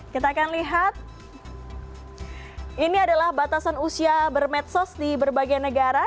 kita akan lihat ini adalah batasan usia bermedsos di berbagai negara